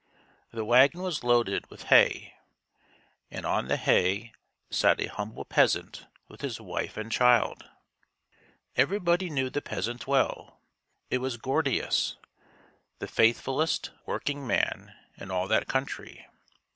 The wagon was loaded with hay, and on the hay sat a humble peasant with his wife and child. Every body knew the peasant well. It was Gordius, the faithfulest workingman in all that country.